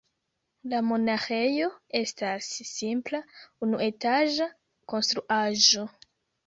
La monaĥejo estas simpla unuetaĝa konstruaĵo.